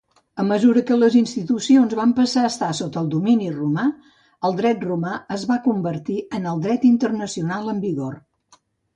A mesura que les institucions van passar a estar sota el domini romà, el dret romà es va convertir en el dret internacional en vigor.